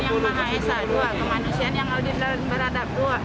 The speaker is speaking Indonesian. dua kemanusiaan yang berada di dalam buah